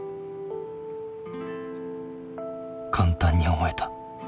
簡単に思えた。